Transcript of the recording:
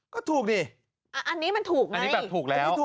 ก็ถูกนี่อันนี้มันถูกไงอันนี้แบบถูกแล้ว